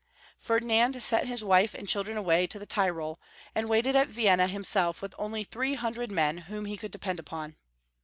Ferduiand sent his wife and children away to the Tyrol, and waited at Vienna himself with only three hundred men whom he could depend upon.